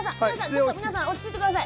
ちょっと皆さん落ち着いてください。